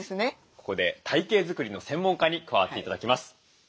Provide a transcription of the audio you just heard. ここで体形作りの専門家に加わって頂きます。